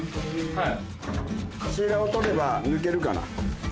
はい。